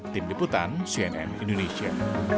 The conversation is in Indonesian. tim diputan cnn indonesia